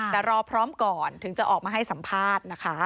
แต่รอพร้อมก่อนถึงจะออกมาให้สัมภาษณ์นะคะ